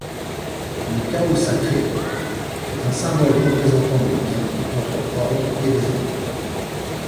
Le Chao Sacré est un symbole représentant le lien entre Ordre et Désordre.